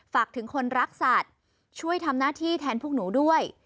ฝากถึงคนรักสัตว์ช่วยทำหน้าที่แทนพวกหนูด้วย